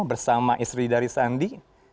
bersama istri dari sandi